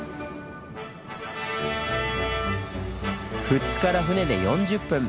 富津から船で４０分！